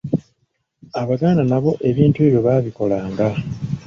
Abaganda nabo ebintu ebyo baabikolanga.